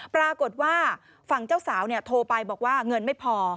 ปรากฏว่าฝั่งเจ้าสาวโทรไปบอกว่าเงินไม่พอ